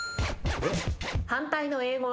反対の英語は？